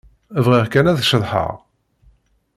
Bɣiɣ kan ad ceḍḥeɣ.